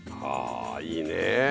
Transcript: あいいね。